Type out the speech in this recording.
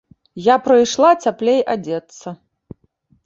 Я прыйшла цяплей адзецца.